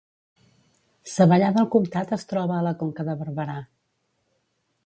Savallà del Comtat es troba a la Conca de Barberà